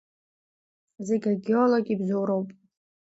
Зегь агеолог ибзоуроуп.